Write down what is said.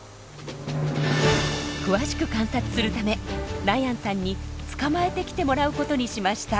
詳しく観察するためナヤンさんに捕まえてきてもらうことにしました。